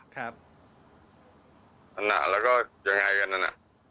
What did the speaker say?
ทรรมาสแล้วก็อย่างไรอย่างนั้น